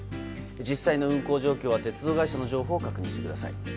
実際の運行状況は鉄道会社の情報を確認してください。